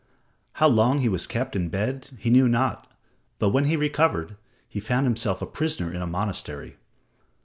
How long he was kept in bed he knew not, but when he recovered, he found himself a prisoner in a monastery.